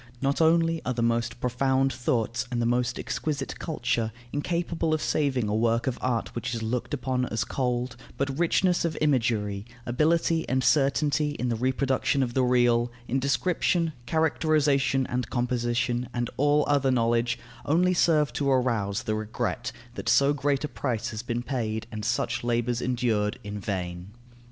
Not only are the most profound thoughts and the most exquisite culture incapable of saving a work of art which is looked upon as cold, but richness of imagery, ability and certainty in the reproduction of the real, in description, characterization and composition, and all other knowledge, only serve to arouse the regret that so great a price has been paid and such labours endured, in vain.